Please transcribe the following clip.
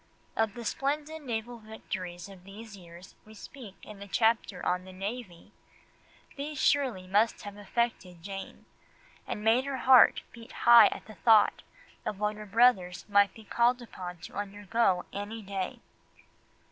Of the splendid naval victories of these years we speak in the chapter on the Navy; these surely must have affected Jane, and made her heart beat high at the thought of what her brothers might be called upon to undergo any day.